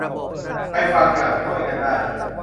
ใครฟังอย่างช่วยกันได้